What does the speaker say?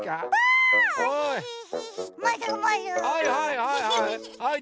はいはいはいはい。